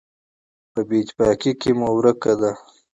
په بېاتفاقۍ کې مو ورکه ده.